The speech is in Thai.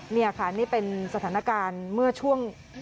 นี่ค่ะนี่เป็นสถานการณ์เมื่อช่วง